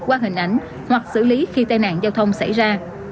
qua hình ảnh hoặc xử lý khi tai nạn giao thông xảy ra